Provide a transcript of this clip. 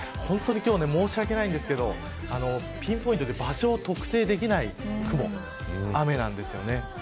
今日は、申し訳ないんですけどピンポイントで場所を特定できない雨なんですよね。